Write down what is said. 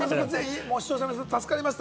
視聴者の皆さん、助かりました。